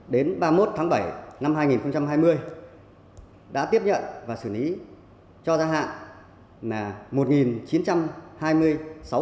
đến ba mươi một tháng bảy năm hai nghìn hai mươi đã tiếp nhận và xử lý cho gia hạn là một chín trăm hai mươi